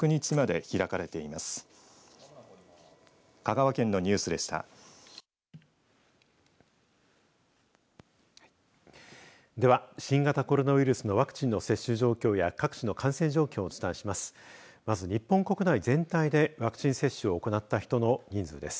では新型コロナウイルスのワクチンの接種状況や各地の感染状況をお伝えします。